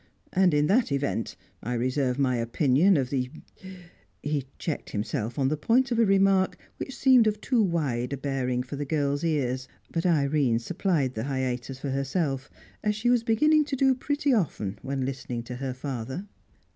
And in that event I reserve my opinion of the " He checked himself on the point of a remark which seemed of too wide bearing for the girl's ears. But Irene supplied the hiatus for herself, as she was beginning to do pretty often when listening to her father.